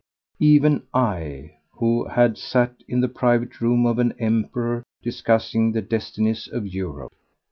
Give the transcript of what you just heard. Even I, who had sat in the private room of an emperor discussing the destinies of Europe.